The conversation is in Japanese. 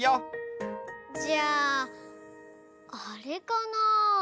じゃああれかな？